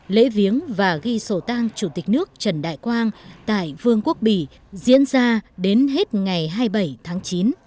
lễ viếng và ghi sổ tang chủ tịch nước trần đại quang tại vương quốc bỉ diễn ra đến hết ngày hai mươi bảy tháng chín